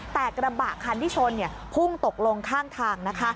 แต่กระบะคันที่ชนพุ่งตกลงข้างทาง